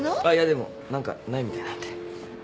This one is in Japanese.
あっいやでも何かないみたいなんで。